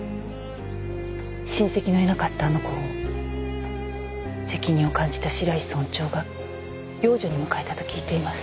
親戚のいなかったあの子を責任を感じた白石村長が養女に迎えたと聞いています。